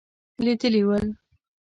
لیدلي ول.